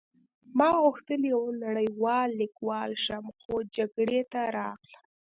ما غوښتل یو نړۍوال لیکوال شم خو جګړې ته راغلم